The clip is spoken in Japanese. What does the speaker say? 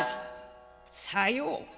「さよう。